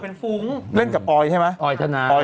เป็นการกระตุ้นการไหลเวียนของเลือด